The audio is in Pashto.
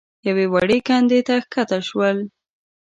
يوې وړې کندې ته کښته شول.